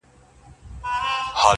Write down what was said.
پرېږده چي نشه یم له خمار سره مي نه لګي!